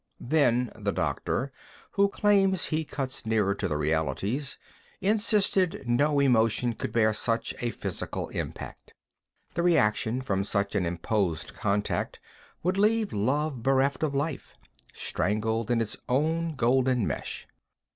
Then the doctor, who claims he cuts nearer to the realities, insisted no emotion could bear such a physical impact. The reaction from such an imposed contact would leave love bereft of life, strangled in its own golden mesh.